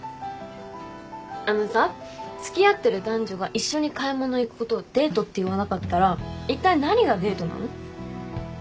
あのさ付き合ってる男女が一緒に買い物行くことをデートって言わなかったらいったい何がデートなの？